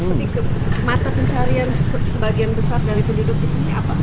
sedikit mata pencarian sebagian besar dari penduduk di sini apa